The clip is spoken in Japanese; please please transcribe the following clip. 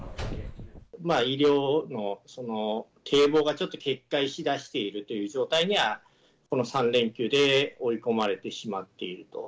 医療の堤防がちょっと決壊しだしているという状態にはこの３連休で追い込まれてしまっていると。